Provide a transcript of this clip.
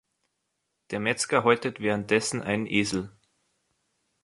Der Metzger häutet währenddessen einen Esel.